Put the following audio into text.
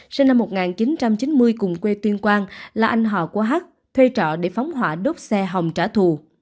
sinh năm một nghìn chín trăm chín mươi cùng quê tuyên quang là anh hò của hắt thuê trọ để phóng hỏa đốt xe hồng trả thù